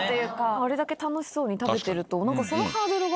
あれだけ楽しそうに食べてるとその。